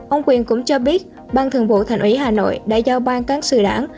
ông quyền cũng cho biết ban thường vụ thành ủy hà nội đã giao ban cáng sử đảng